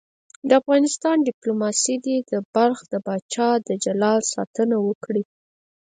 د افغانستان دیپلوماسي دې د بلخ د پاچا د جلال ساتنه وکړي.